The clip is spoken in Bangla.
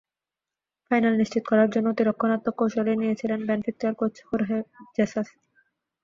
ফাইনাল নিশ্চিত করার জন্য অতি রক্ষণাত্মক কৌশলই নিয়েছিলেন বেনফিকার কোচ হোর্হে জেসাস।